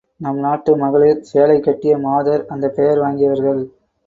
நம் நாட்டு மகளிர் சேலை கட்டிய மாதர் அந்தப் பெயர் வாங்கியவர்கள்.